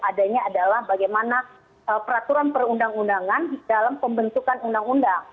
adanya adalah bagaimana peraturan perundang undangan dalam pembentukan undang undang